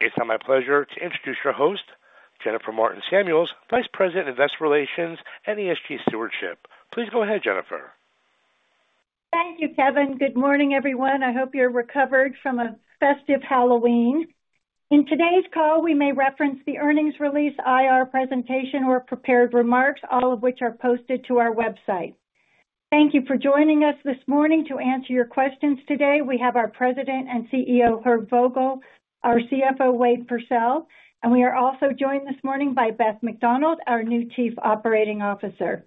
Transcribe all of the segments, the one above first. It's my pleasure to introduce your host, Jennifer Martin Samuels, Vice President of Investor Relations and ESG Stewardship. Please go ahead, Jennifer. Thank you, Kevin. Good morning, everyone. I hope you're recovered from a festive Halloween. In today's call, we may reference the earnings release, IR presentation, or prepared remarks, all of which are posted to our website. Thank you for joining us this morning. To answer your questions today, we have our President and CEO, Herb Vogel, our CFO, Wade Pursell, and we are also joined this morning by Beth McDonald, our new Chief Operating Officer.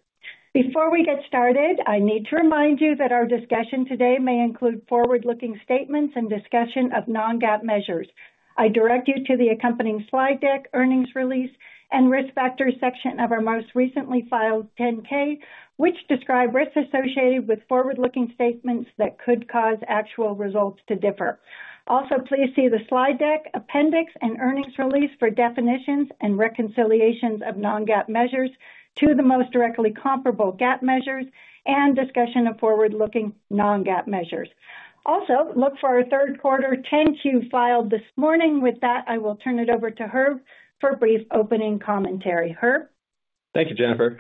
Before we get started, I need to remind you that our discussion today may include forward-looking statements and discussion of non-GAAP measures. I direct you to the accompanying slide deck, earnings release, and risk factors section of our most recently filed 10-K, which describe risks associated with forward-looking statements that could cause actual results to differ. Also, please see the slide deck, appendix, and earnings release for definitions and reconciliations of non-GAAP measures to the most directly comparable GAAP measures and discussion of forward-looking non-GAAP measures. Also, look for our third quarter 10-Q filed this morning. With that, I will turn it over to Herb for brief opening commentary. Herb. Thank you, Jennifer.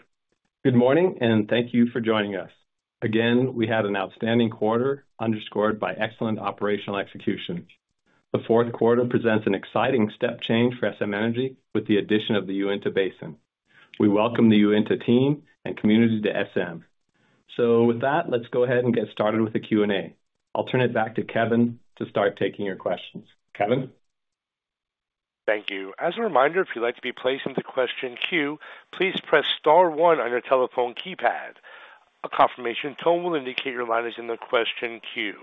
Good morning, and thank you for joining us. Again, we had an outstanding quarter underscored by excellent operational execution. The fourth quarter presents an exciting step change for SM Energy with the addition of the Uinta Basin. We welcome the Uinta team and community to SM. So with that, let's go ahead and get started with the Q&A. I'll turn it back to Kevin to start taking your questions. Kevin. Thank you. As a reminder, if you'd like to be placed into the question queue, please press star one on your telephone keypad. A confirmation tone will indicate your line is in the question queue.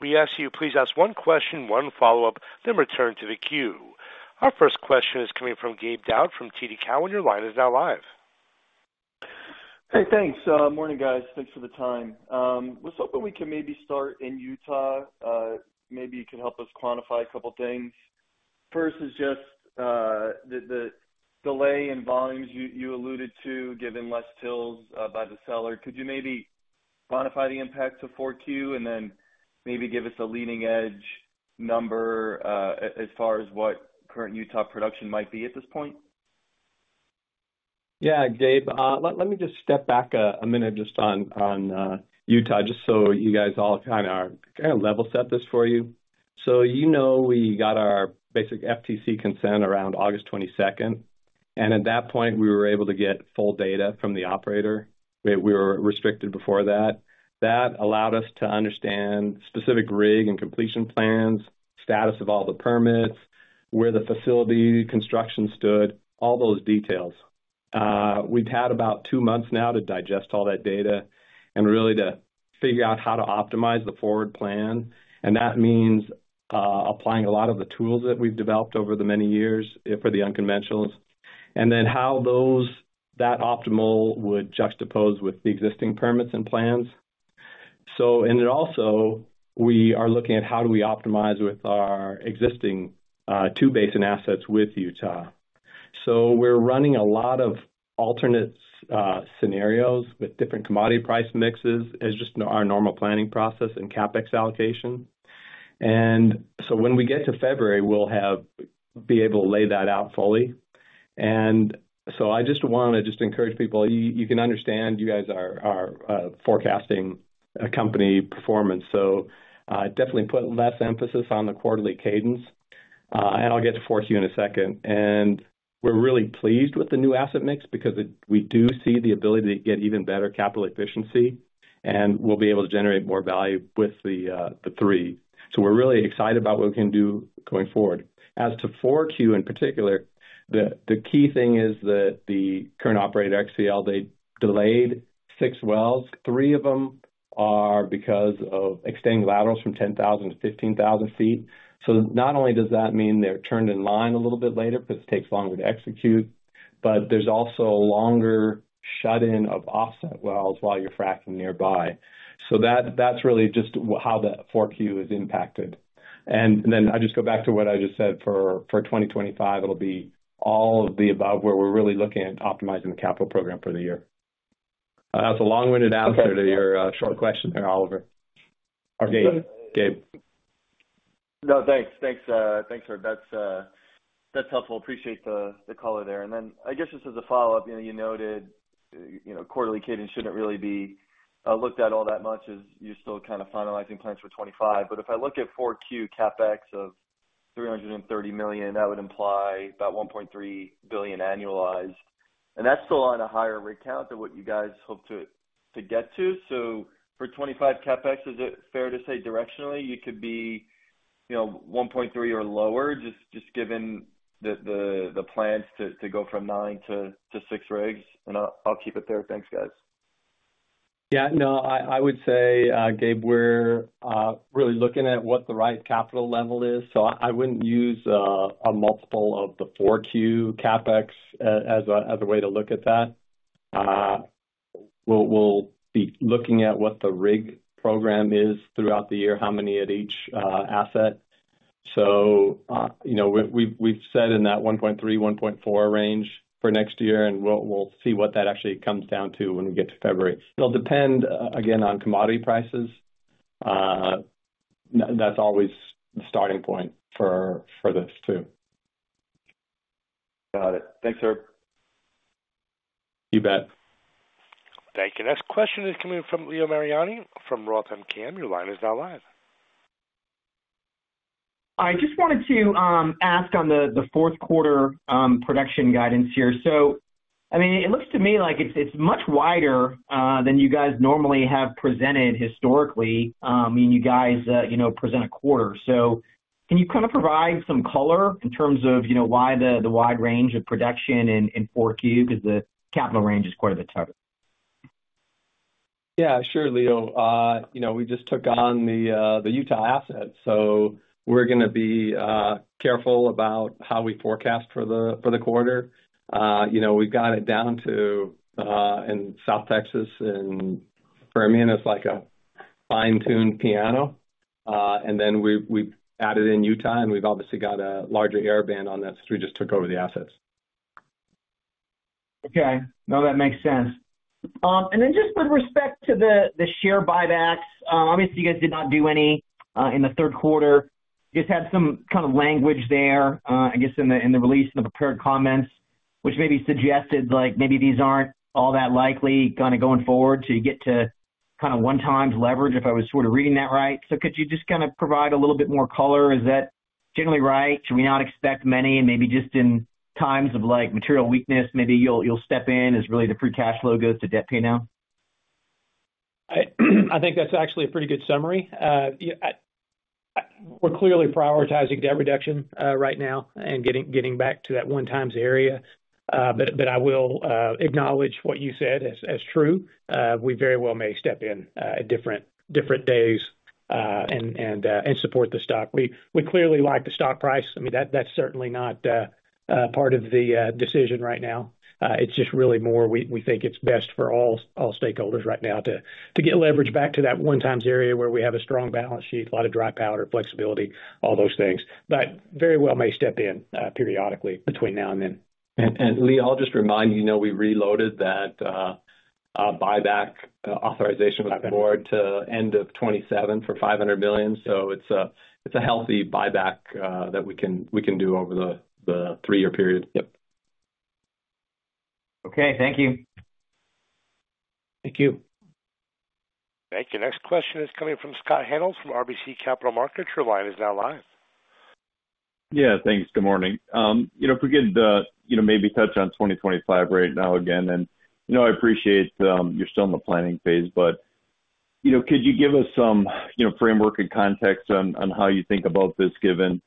We ask you, please ask one question, one follow-up, then return to the queue. Our first question is coming from Gabe Daoud from TD Cowen, and your line is now live. Hey, thanks. Morning, guys. Thanks for the time. Let's hope that we can maybe start in Utah. Maybe you can help us quantify a couple of things. First is just the delay in volumes you alluded to, given less wells by the seller. Could you maybe quantify the impact to 4Q and then maybe give us a leading edge number as far as what current Utah production might be at this point? Yeah, Gabe, let me just step back a minute just on Utah, just so you guys all kind of level set this for you. So you know we got our basic FTC consent around August 22nd, and at that point, we were able to get full data from the operator. We were restricted before that. That allowed us to understand specific rig and completion plans, status of all the permits, where the facility construction stood, all those details. We've had about two months now to digest all that data and really to figure out how to optimize the forward plan, and that means applying a lot of the tools that we've developed over the many years for the unconventionals, and then how that optimal would juxtapose with the existing permits and plans. Then also, we are looking at how do we optimize with our existing two basin assets with Utah. So we're running a lot of alternate scenarios with different commodity price mixes as just our normal planning process and CapEx allocation. And so when we get to February, we'll be able to lay that out fully. And so I just want to just encourage people. You can understand you guys are forecasting a company performance. So definitely put less emphasis on the quarterly cadence. And I'll get to 4Q in a second. And we're really pleased with the new asset mix because we do see the ability to get even better capital efficiency, and we'll be able to generate more value with the three. So we're really excited about what we can do going forward. As to 4Q in particular, the key thing is that the current operator, XCL, they delayed six wells. Three of them are because of extending laterals from 10,000 to 15,000 feet. So not only does that mean they're turned in line a little bit later because it takes longer to execute, but there's also a longer shut-in of offset wells while you're fracking nearby. So that's really just how that 4Q is impacted. And then I just go back to what I just said for 2025. It'll be all of the above where we're really looking at optimizing the capital program for the year. That's a long-winded answer to your short question there, Oliver. Or Gabe. No, thanks. Thanks, Herb. That's helpful. Appreciate the color there. And then I guess just as a follow-up, you noted quarterly cadence shouldn't really be looked at all that much as you're still kind of finalizing plans for 2025. But if I look at 4Q, CapEx of $330 million, that would imply about $1.3 billion annualized. And that's still on a higher rig count than what you guys hope to get to. So for 2025 CapEx, is it fair to say directionally you could be $1.3 or lower just given the plans to go from nine to six rigs? And I'll keep it there. Thanks, guys. Yeah, no, I would say, Gabe, we're really looking at what the right capital level is. So I wouldn't use a multiple of the 4Q CapEx as a way to look at that. We'll be looking at what the rig program is throughout the year, how many at each asset. So we've said in that $1.3-$1.4 range for next year, and we'll see what that actually comes down to when we get to February. It'll depend, again, on commodity prices. That's always the starting point for this too. Got it. Thanks, Herb. You bet. Thank you. Next question is coming from Leo Mariani from Roth MKM. Your line is now live. I just wanted to ask on the fourth quarter production guidance here. So, I mean, it looks to me like it's much wider than you guys normally have presented historically. I mean, you guys present a quarter. So can you kind of provide some color in terms of why the wide range of production in 4Q because the capital range is quite a bit tighter? Yeah, sure, Leo. We just took on the Utah assets. So we're going to be careful about how we forecast for the quarter. We've got it down to, in South Texas and Permian, it's like a fine-tuned piano. And then we added in Utah, and we've obviously got a larger error band on that since we just took over the assets. Okay. No, that makes sense. And then just with respect to the share buybacks, obviously, you guys did not do any in the third quarter. You just had some kind of language there, I guess, in the release and the prepared comments, which maybe suggested maybe these aren't all that likely kind of going forward to get to kind of one-time leverage, if I was sort of reading that right. So could you just kind of provide a little bit more color? Is that generally right? Should we not expect many? And maybe just in times of market weakness, maybe you'll step in as really the free cash flow goes to debt paydown? I think that's actually a pretty good summary. We're clearly prioritizing debt reduction right now and getting back to that 1.0x area. But I will acknowledge what you said as true. We very well may step in at different days and support the stock. We clearly like the stock price. I mean, that's certainly not part of the decision right now. It's just really more we think it's best for all stakeholders right now to get leverage back to that 1.0x area where we have a strong balance sheet, a lot of dry powder, flexibility, all those things. But very well may step in periodically between now and then. And Lee, I'll just remind you, we reloaded that buyback authorization with the board to end of 2027 for $500 million. So it's a healthy buyback that we can do over the three-year period. Yep. Okay. Thank you. Thank you. Thank you. Next question is coming from Scott Hanold from RBC Capital Markets. Your line is now live. Yeah, thanks. Good morning. If we could maybe touch on 2025 right now again, and I appreciate you're still in the planning phase, but could you give us some framework and context on how you think about this given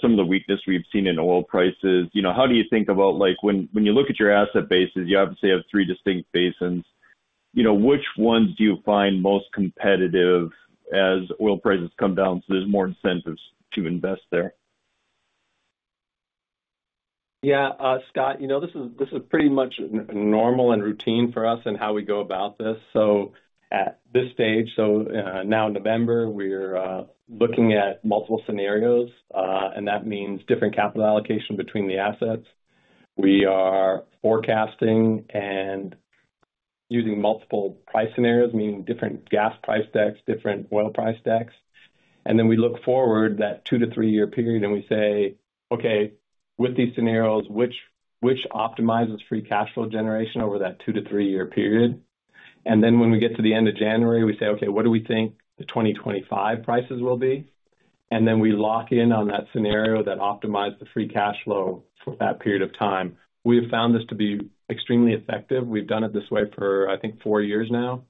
some of the weakness we've seen in oil prices? How do you think about when you look at your asset bases, you obviously have three distinct basins. Which ones do you find most competitive as oil prices come down so there's more incentives to invest there? Yeah, Scott, this is pretty much normal and routine for us in how we go about this. So at this stage, so now in November, we're looking at multiple scenarios, and that means different capital allocation between the assets. We are forecasting and using multiple price scenarios, meaning different gas price decks, different oil price decks. And then we look forward that two to three-year period and we say, "Okay, with these scenarios, which optimizes free cash flow generation over that two to three-year period?" And then when we get to the end of January, we say, "Okay, what do we think the 2025 prices will be?" And then we lock in on that scenario that optimizes the free cash flow for that period of time. We have found this to be extremely effective. We've done it this way for, I think, four years now.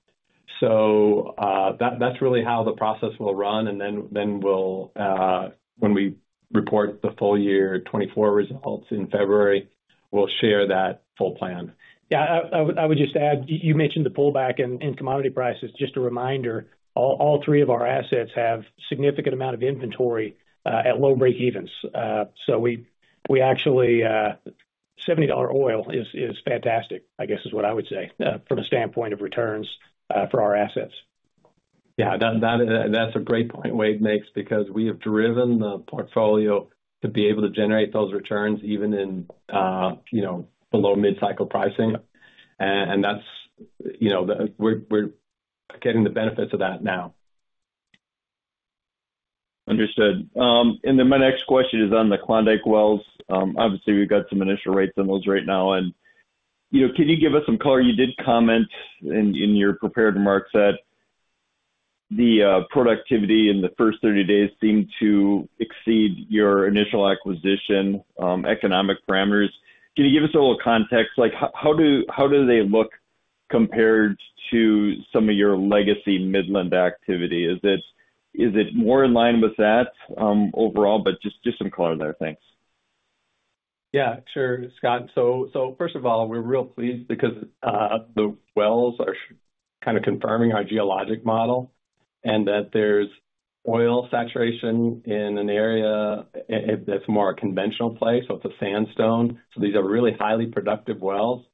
So that's really how the process will run. And then when we report the full year 2024 results in February, we'll share that full plan. Yeah, I would just add, you mentioned the pullback in commodity prices. Just a reminder, all three of our assets have a significant amount of inventory at low breakevens. So actually, $70 oil is fantastic, I guess, is what I would say from a standpoint of returns for our assets. Yeah, that's a great point Wade makes because we have driven the portfolio to be able to generate those returns even in below mid-cycle pricing, and we're getting the benefits of that now. Understood. And then my next question is on the Klondike wells. Obviously, we've got some initial rates on those right now. And can you give us some color? You did comment in your prepared remarks that the productivity in the first 30 days seemed to exceed your initial acquisition economic parameters. Can you give us a little context? How do they look compared to some of your legacy Midland activity? Is it more in line with that overall? But just some color there. Thanks. Yeah, sure, Scott. So first of all, we're real pleased because the wells are kind of confirming our geologic model and that there's oil saturation in an area that's more a conventional place. So it's a sandstone. So these are really highly productive wells.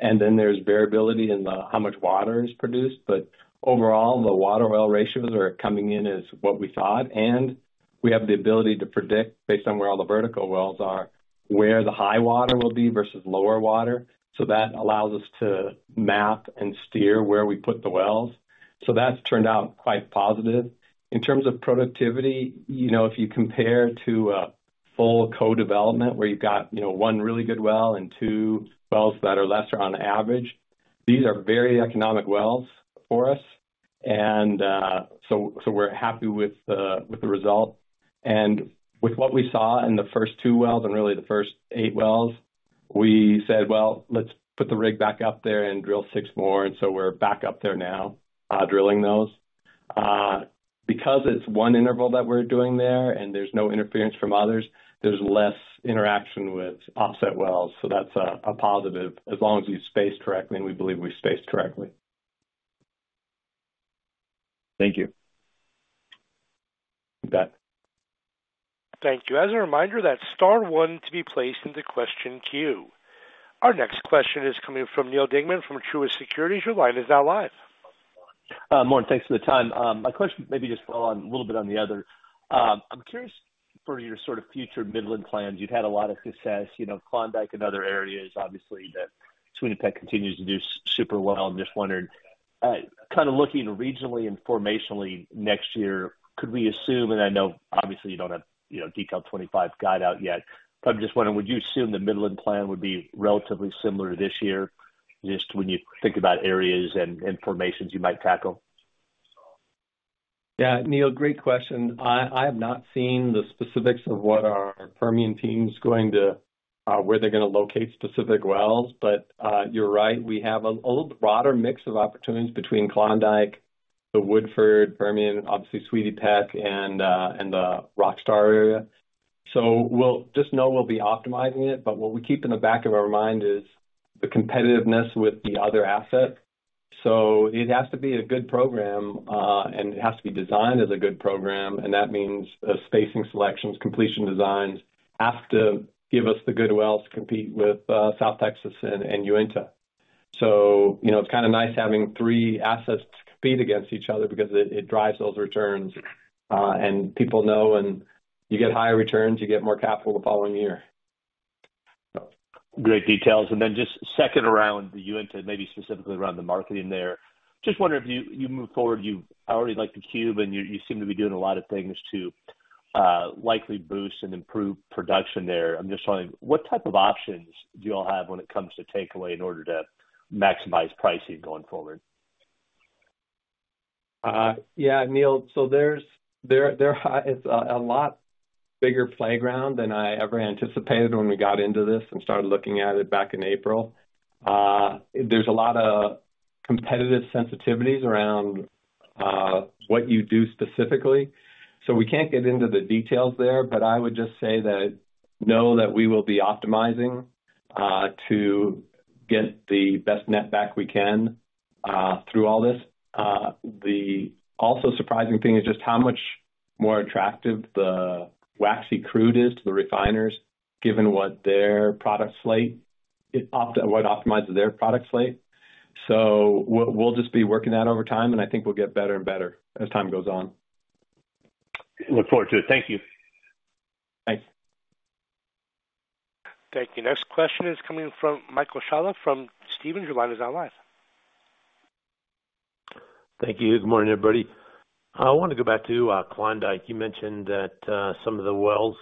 And then there's variability in how much water is produced. But overall, the water-oil ratios are coming in as what we thought. And we have the ability to predict, based on where all the vertical wells are, where the high water will be versus lower water. So that allows us to map and steer where we put the wells. So that's turned out quite positive. In terms of productivity, if you compare to a full co-development where you've got one really good well and two wells that are lesser on average, these are very economic wells for us. And so we're happy with the result. And with what we saw in the first two wells and really the first eight wells, we said, "Well, let's put the rig back up there and drill six more." And so we're back up there now drilling those. Because it's one interval that we're doing there and there's no interference from others, there's less interaction with offset wells. So that's a positive as long as we space correctly and we believe we space correctly. Thank you. You bet. Thank you. As a reminder, that's star one to be placed into question queue. Our next question is coming from Neil Dingman from Truist Securities. Your line is now live. Morning, thanks for the time. My question maybe just fell on a little bit on the other. I'm curious for your sort of future Midland plans. You've had a lot of success, Klondike and other areas, obviously, that Sweetie Peck continues to do super well. I'm just wondering, kind of looking regionally and formationally next year, could we assume, and I know obviously you don't have detailed 2025 guide out yet, but I'm just wondering, would you assume the Midland plan would be relatively similar to this year just when you think about areas and formations you might tackle? Yeah, Neil, great question. I have not seen the specifics of what our Permian team's going to, where they're going to locate specific wells. But you're right, we have a little broader mix of opportunities between Klondike, the Woodford, Permian, obviously Sweetie Peck, and the Rockstar area. So we'll just know we'll be optimizing it. But what we keep in the back of our mind is the competitiveness with the other assets. So it has to be a good program, and it has to be designed as a good program. And that means the spacing selections, completion designs have to give us the good wells to compete with South Texas and Uinta. So it's kind of nice having three assets to compete against each other because it drives those returns. And people know when you get higher returns, you get more capital the following year. Great details. And then just second around the Uinta, maybe specifically around the marketing there. Just wondering if you move forward, you already like the Cube, and you seem to be doing a lot of things to likely boost and improve production there. I'm just wondering, what type of options do you all have when it comes to takeaway in order to maximize pricing going forward? Yeah, Neil, so there's a lot bigger playground than I ever anticipated when we got into this and started looking at it back in April. There's a lot of competitive sensitivities around what you do specifically. So we can't get into the details there, but I would just say that know that we will be optimizing to get the best netback we can through all this. The also surprising thing is just how much more attractive the waxy crude is to the refiners, given what their product slate optimizes. So we'll just be working that over time, and I think we'll get better and better as time goes on. Look forward to it. Thank you. Thanks. Thank you. Next question is coming from Michael Scialla from Stephens. Your line is now live. Thank you. Good morning, everybody. I want to go back to Klondike. You mentioned that some of the wells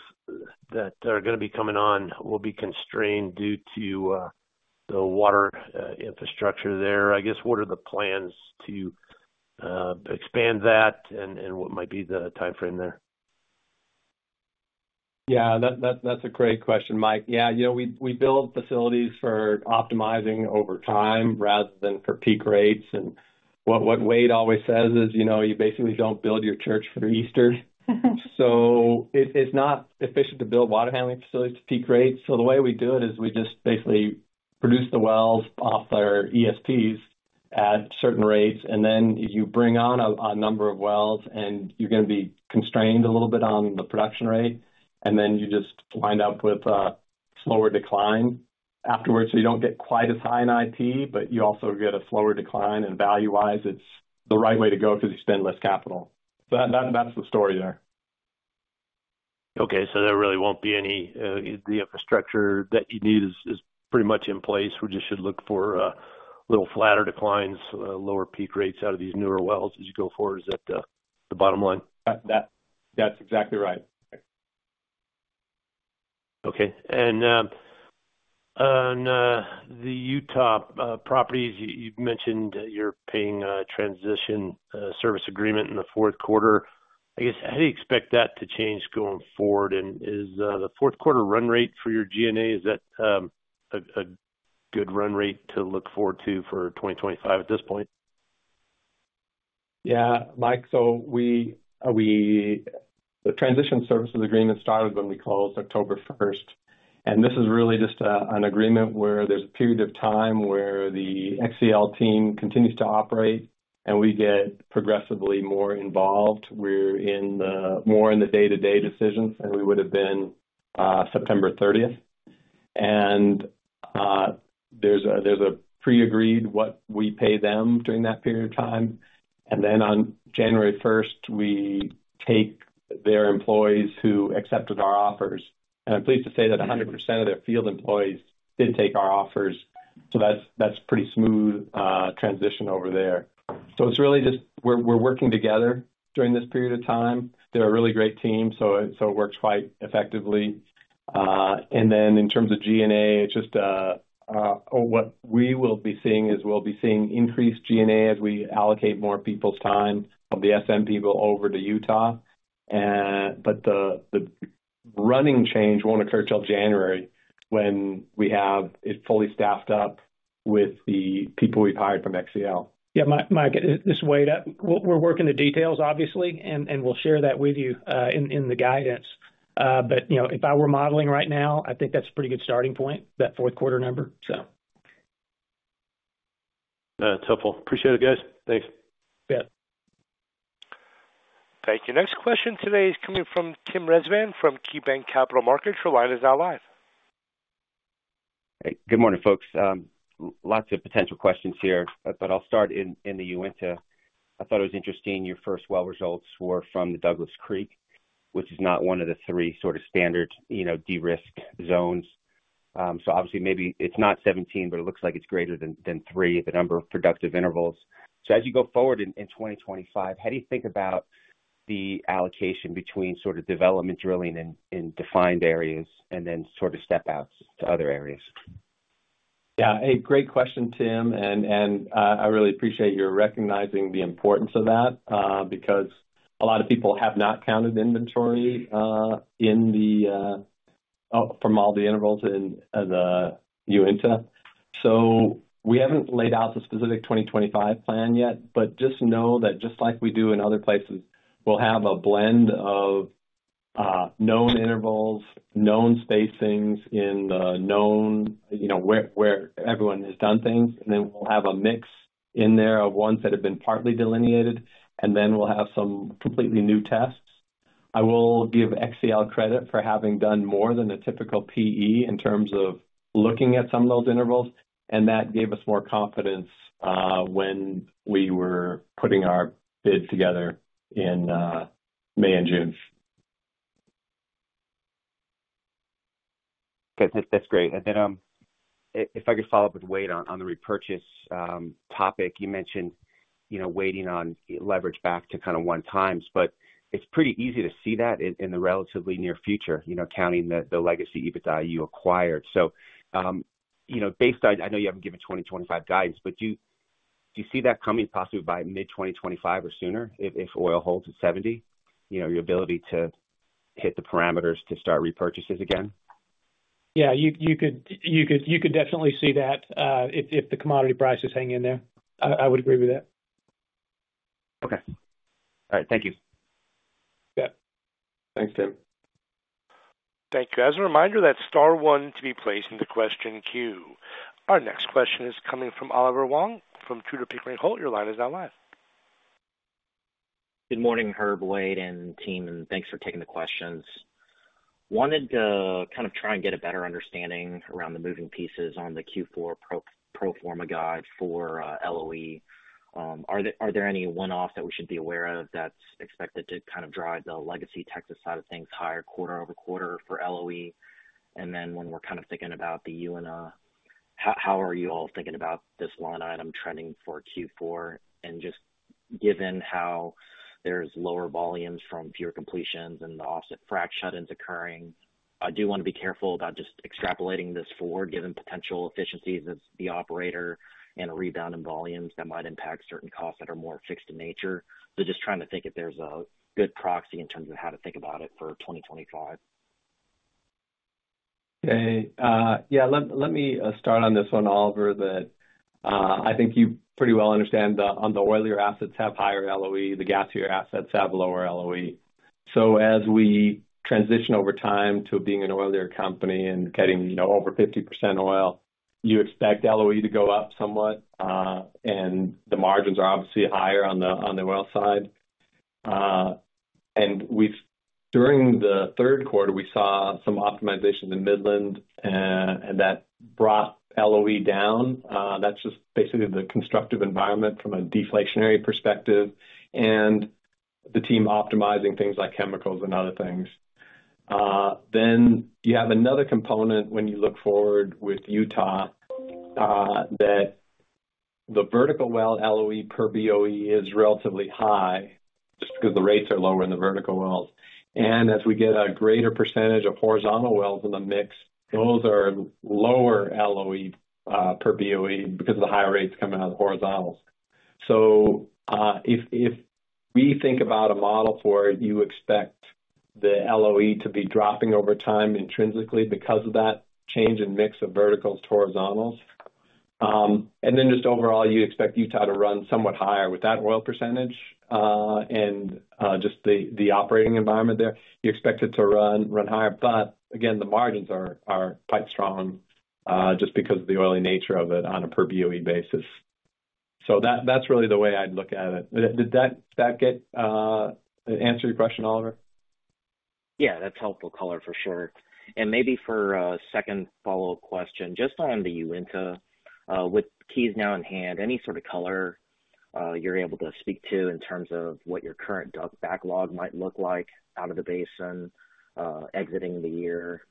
that are going to be coming on will be constrained due to the water infrastructure there. I guess, what are the plans to expand that, and what might be the timeframe there? Yeah, that's a great question, Mike. Yeah, we build facilities for optimizing over time rather than for peak rates. And what Wade always says is you basically don't build your church for Easter. So it's not efficient to build water handling facilities to peak rates. So the way we do it is we just basically produce the wells off our ESPs at certain rates, and then you bring on a number of wells, and you're going to be constrained a little bit on the production rate. And then you just wind up with a slower decline afterwards. So you don't get quite as high in IP, but you also get a slower decline. And value-wise, it's the right way to go because you spend less capital. So that's the story there. Okay, so there really won't be any. The infrastructure that you need is pretty much in place. We just should look for a little flatter declines, lower peak rates out of these newer wells as you go forward. Is that the bottom line? That's exactly right. Okay. And on the Utah properties, you mentioned you're paying a transition service agreement in the fourth quarter. I guess, how do you expect that to change going forward? And is the fourth quarter run rate for your G&A, is that a good run rate to look forward to for 2025 at this point? Yeah, Mike, so the transition services agreement started when we closed October 1st. And this is really just an agreement where there's a period of time where the XCL team continues to operate, and we get progressively more involved. We're more in the day-to-day decisions, and we would have been September 30th. And there's a pre-agreed what we pay them during that period of time. And then on January 1st, we take their employees who accepted our offers. And I'm pleased to say that 100% of their field employees did take our offers. So that's pretty smooth transition over there. So it's really just we're working together during this period of time. They're a really great team, so it works quite effectively. And then in terms of G&A, just what we will be seeing is we'll be seeing increased G&A as we allocate more people's time of the SM people over to Utah. But the run-rate change won't occur until January when we have it fully staffed up with the people we've hired from XCL. Yeah, Mike, just Wade, we're working the details, obviously, and we'll share that with you in the guidance. But if I were modeling right now, I think that's a pretty good starting point, that fourth quarter number, so. That's helpful. Appreciate it, guys. Thanks. Yeah. Thank you. Next question today is coming from Tim Rezvan from KeyBank Capital Markets. Your line is now live. Hey, good morning, folks. Lots of potential questions here, but I'll start in the Uinta. I thought it was interesting. Your first well results were from the Douglas Creek, which is not one of the three sort of standard de-risk zones. So obviously, maybe it's not 17, but it looks like it's greater than three, the number of productive intervals. So as you go forward in 2025, how do you think about the allocation between sort of development drilling in defined areas and then sort of step out to other areas? Yeah, a great question, Tim. And I really appreciate your recognizing the importance of that because a lot of people have not counted inventory from all the intervals in the Uinta. So we haven't laid out the specific 2025 plan yet, but just know that just like we do in other places, we'll have a blend of known intervals, known spacings in the known where everyone has done things. And then we'll have a mix in there of ones that have been partly delineated, and then we'll have some completely new tests. I will give XCL credit for having done more than a typical PE in terms of looking at some of those intervals. And that gave us more confidence when we were putting our bid together in May and June. Okay, that's great. And then if I could follow up with Wade on the repurchase topic, you mentioned waiting on leverage back to kind of one times, but it's pretty easy to see that in the relatively near future, counting the legacy EBITDA you acquired. So based on, I know you haven't given 2025 guidance, but do you see that coming possibly by mid-2025 or sooner if oil holds at $70, your ability to hit the parameters to start repurchases again? Yeah, you could definitely see that if the commodity prices hang in there. I would agree with that. Okay. All right. Thank you. Yeah. Thanks, Tim. Thank you. As a reminder, that's star one to be placed into question queue. Our next question is coming from Oliver Huang from Tudor, Pickering, Holt & Co. Your line is now live. Good morning, Herb, Wade, and team, and thanks for taking the questions. Wanted to kind of try and get a better understanding around the moving pieces on the Q4 pro forma guide for LOE. Are there any one-offs that we should be aware of that's expected to kind of drive the legacy Texas side of things higher quarter over quarter for LOE? And then when we're kind of thinking about the Uinta, how are you all thinking about this line item trending for Q4? And just given how there's lower volumes from fewer completions and the offset frac shut-ins occurring, I do want to be careful about just extrapolating this forward, given potential efficiencies as the operator and rebound in volumes that might impact certain costs that are more fixed in nature. So just trying to think if there's a good proxy in terms of how to think about it for 2025. Okay. Yeah, let me start on this one, Oliver, that I think you pretty well understand on the oilier assets have higher LOE, the gasier assets have lower LOE. So as we transition over time to being an oilier company and getting over 50% oil, you expect LOE to go up somewhat, and the margins are obviously higher on the oil side, and during the third quarter, we saw some optimizations in Midland, and that brought LOE down. That's just basically the constructive environment from a deflationary perspective and the team optimizing things like chemicals and other things, then you have another component when you look forward with Utah that the vertical well LOE per BOE is relatively high just because the rates are lower in the vertical wells. And as we get a greater percentage of horizontal wells in the mix, those are lower LOE per BOE because of the higher rates coming out of the horizontals. So if we think about a model for it, you expect the LOE to be dropping over time intrinsically because of that change in mix of verticals to horizontals. And then just overall, you expect Utah to run somewhat higher with that oil percentage and just the operating environment there. You expect it to run higher, but again, the margins are quite strong just because of the oily nature of it on a per BOE basis. So that's really the way I'd look at it. Did that answer your question, Oliver? Yeah, that's helpful color for sure. And maybe for a second follow-up question, just on the Uinta, with keys now in hand, any sort of color you're able to speak to in terms of what your current DUC backlog might look like out of the basin, exiting the year,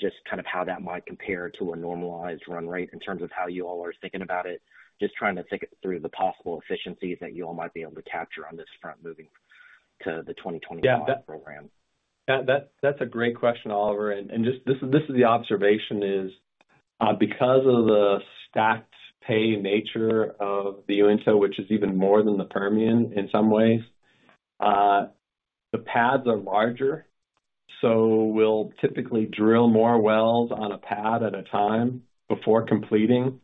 just kind of how that might compare to a normalized run rate in terms of how you all are thinking about it, just trying to think through the possible efficiencies that you all might be able to capture on this front moving to the 2025 program? Yeah, that's a great question, Oliver. And just this is the observation is because of the stacked pay nature of the Uinta, which is even more than the Permian in some ways, the pads are larger. So we'll typically drill more wells on a pad at a time before completing.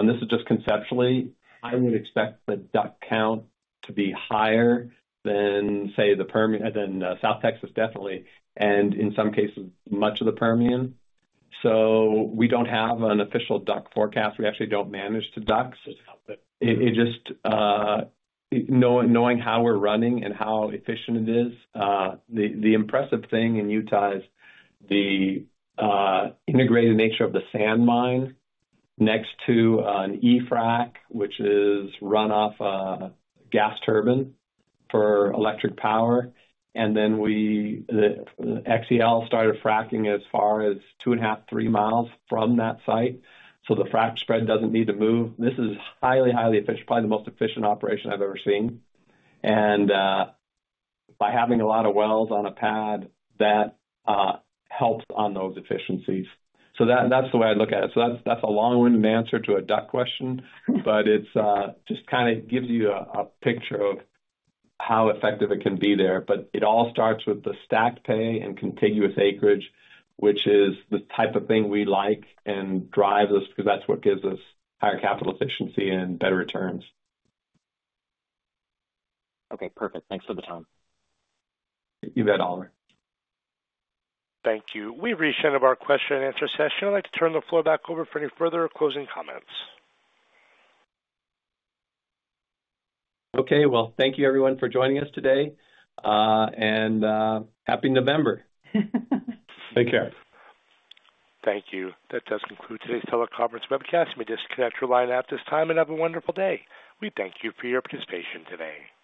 And this is just conceptually, I would expect the DUC count to be higher than, say, the Permian, than South Texas definitely, and in some cases, much of the Permian. So we don't have an official DUC forecast. We actually don't manage the DUC. Knowing how we're running and how efficient it is, the impressive thing in Utah is the integrated nature of the sand mine next to an E-frac, which is natural gas turbine for electric power. And then XCL started fracking as far as two and a half, three miles from that site. So the frac spread doesn't need to move. This is highly, highly efficient, probably the most efficient operation I've ever seen. And by having a lot of wells on a pad, that helps on those efficiencies. So that's the way I look at it. So that's a long-winded answer to a DUC question, but it just kind of gives you a picture of how effective it can be there. But it all starts with the stacked pay and contiguous acreage, which is the type of thing we like and drives us because that's what gives us higher capital efficiency and better returns. Okay, perfect. Thanks for the time. You bet, Oliver. Thank you. We've reached the end of our question and answer session. I'd like to turn the floor back over for any further closing comments. Okay, well, thank you, everyone, for joining us today. And happy November. Take care. Thank you. That does conclude today's teleconference webcast. You may disconnect your line at this time and have a wonderful day. We thank you for your participation today.